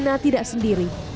husna faina tidak sendiri